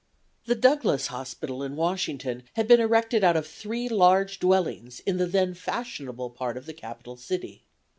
The Douglas Hospital in Washington had been erected out of three large dwellings in the then fashionable part of the Capital City.